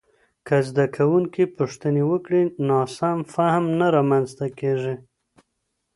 که زده کوونکي پوښتني وکړي، ناسم فهم نه رامنځته کېږي.